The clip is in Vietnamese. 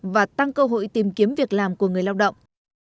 và tăng cơ hội tìm kiếm việc làm của người lao động